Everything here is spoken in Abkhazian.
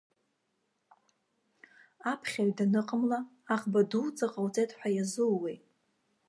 Аԥхьаҩ даныҟамла, аӷба дуӡӡа ҟауҵеит ҳәа иазууеи!